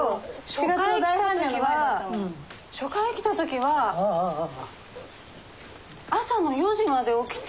初回来た時は初回来た時は朝の４時まで起きて。